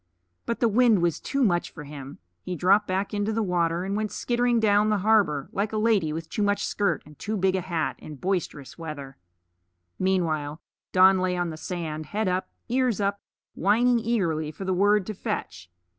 But the wind was too much for him; he dropped back into the water and went skittering down the harbor like a lady with too much skirt and too big a hat in boisterous weather. Meanwhile Don lay on the sand, head up, ears up, whining eagerly for the word to fetch.